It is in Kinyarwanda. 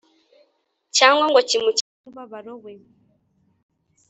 cyangwa ngo kimukize umubabaro we.